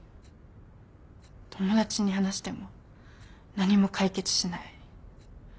友達に話しても何も解決しない。